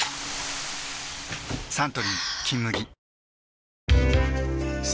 サントリー「金麦」